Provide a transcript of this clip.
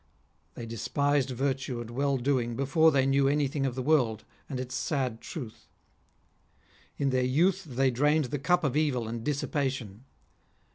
They despised virtue and well doing before they knew any thing of the world, and. its sad truth. In their youth they drained the cup of evil and dissipation.